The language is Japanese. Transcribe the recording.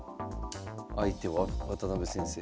相手は渡辺先生。